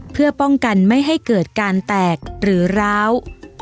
เพื่อป้องกันไม่ให้เกิดการแตกหรือร้าว